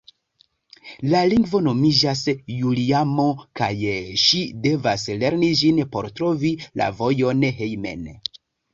La lingvo nomiĝas Juliamo, kaj ŝi devas lerni ĝin por trovi la vojon hejmen.